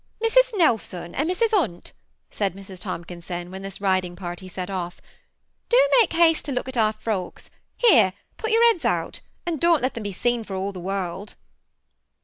Mrs. Nelson and Mrs. Hunt," said Mrs. Tomkinson, when this riding party set off, " do make haste to look at our folks, — here, put jour heads out, but don't let them be seen for all the world."